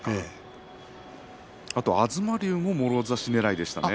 あと東龍ももろ差しねらいでしたね